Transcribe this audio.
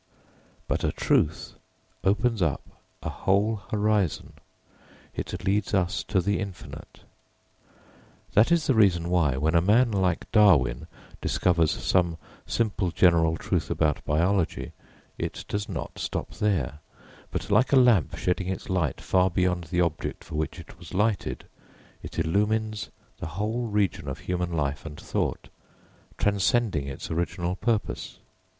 But a truth opens up a whole horizon, it leads us to the infinite. That is the reason why, when a man like Darwin discovers some simple general truth about Biology, it does not stop there, but like a lamp shedding its light far beyond the object for which it was lighted, it illumines the whole region of human life and thought, transcending its original purpose.